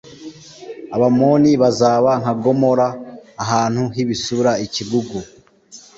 Abamoni z bazaba nka Gomora ahantu h ibisura ikigugu